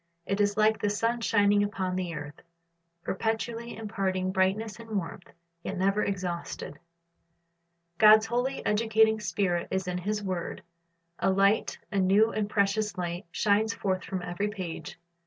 It is like the sun shining upon the earth, perpetually imparting brightness and warmth, yet never exhausted. God's holy, educating Spirit is in His word. A light, a new and precious light, shines forth from every page.